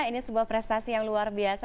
ini sebuah prestasi yang luar biasa